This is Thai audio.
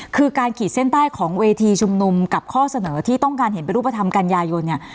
คือการขีดเส้นใต้ของเวทีชุมนุมกับข้อเสนอที่ต้องการเห็นเป็นรูปธรรมกันยายนเนี่ย